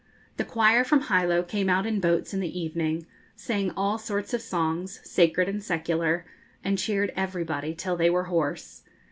The choir from Hilo came out in boats in the evening, sang all sorts of songs, sacred and secular, and cheered everybody till they were hoarse.